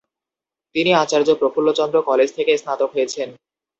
তিনি আচার্য প্রফুল্লচন্দ্র কলেজ থেকে স্নাতক হয়েছেন।